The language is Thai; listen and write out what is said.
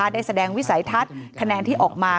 ได้แสดงวิสัยทัศน์คะแนนที่ออกมา